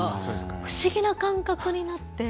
不思議な感覚になって。